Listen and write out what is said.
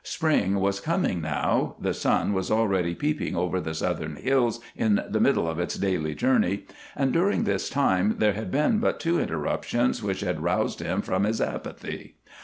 Spring was coming now the sun was already peeping over the southern hills in the middle of its daily journey and during this time there had been but two interruptions which had roused him from his apathy.